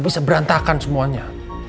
bisa berantakan semuanya